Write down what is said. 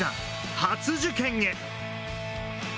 初受験へ！